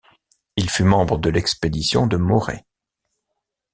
Il fut membre de l'expédition de Morée.